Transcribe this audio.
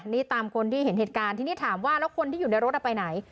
นี่ตามคนที่เห็นเหตุการณ์ทีนี้ถามว่าแล้วคนที่อยู่ในรถไปไหน